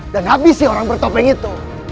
dan habisi orang bertopeng itu